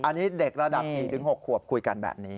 อันนี้เด็กระดับ๔๖ขวบคุยกันแบบนี้